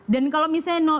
dan kalau misalnya nol